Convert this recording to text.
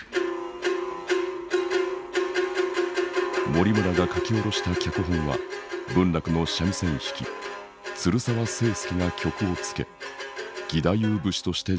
森村が書き下ろした脚本は文楽の三味線弾き鶴澤清介が曲をつけ義太夫節として上演された。